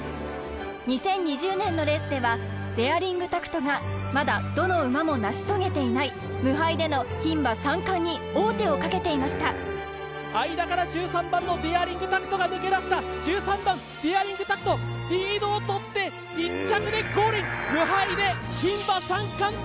２０２０年のレースではデアリングタクトがまだどの馬も成し遂げていない無敗でのひん馬三冠に王手をかけていました間から１３番のデアリングタクトが抜け出した１３番デアリングタクトリードを取って１着でゴール！